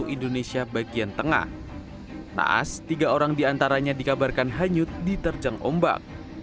indonesia bagian tengah naas tiga orang diantaranya dikabarkan hanyut diterjang ombak